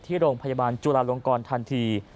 ที่โรงพยาบาลจุลาลงกรทันที